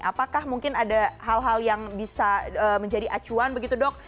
apakah mungkin ada hal hal yang bisa menjadi acuan begitu dok